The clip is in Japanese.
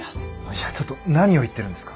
いやちょっと何を言ってるんですか？